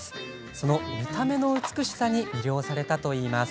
その見た目の美しさに魅了されたそうです。